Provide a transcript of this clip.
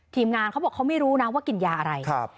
งานเขาบอกเขาไม่รู้นะว่ากินยาอะไร